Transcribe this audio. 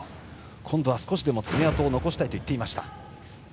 今度は少しでも爪痕を残したいと言っていました。